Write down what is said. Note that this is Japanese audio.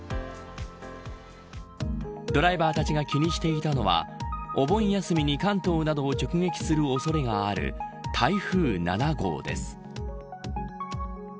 ドライバーたちが気にしていたのはお盆休みに関東などを直撃する恐れがある台風７号です。